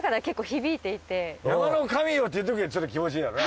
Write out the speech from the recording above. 山の神よ！って言うときはちょっと気持ちいいよな。